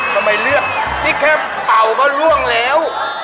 ถ้าไม่เลือกนี่แค่เบาก็ร่วงแล้ว